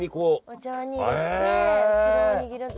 お茶わんに入れてそれを握る。